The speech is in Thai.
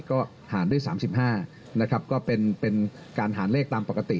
ก็หารด้วย๓๕นะครับก็เป็นการหารเลขตามปกติ